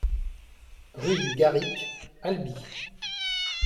Rue du Garric, Albi